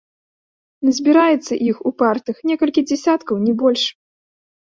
Назбіраецца іх, упартых, некалькі дзесяткаў, не больш.